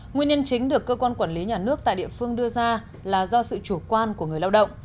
nguyên nhân chính được cơ quan quản lý nhà nước tại địa phương đưa ra là do sự chủ quan của người lao động